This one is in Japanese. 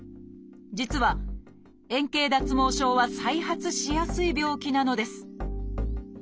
実は円形脱毛症は再発しやすい病気なのです。